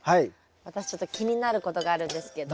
私ちょっと気になることがあるんですけど。